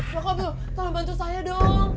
bapak bu tolong bantu saya dong